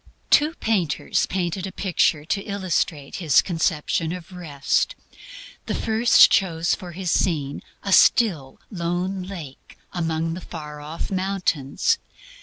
Two painters each painted a picture to illustrate his conception of rest. The first chose for his scene a still, lone lake among the far off mountains.